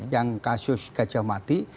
yang kasus gajah mati